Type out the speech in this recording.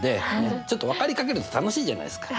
ちょっと分かりかけると楽しいじゃないですか。